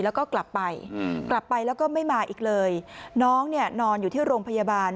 แล้วก็กลับไปกลับไปแล้วก็ไม่มาอีกเลยน้องเนี่ยนอนอยู่ที่โรงพยาบาล